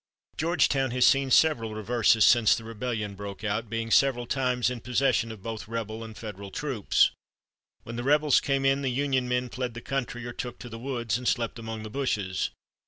"Georgetown has seen several reverses since the rebellion broke out, being several times in possession of both rebel and Federal troops. When the rebels came in, the Union men fled the country or took to the woods and slept among the bushes.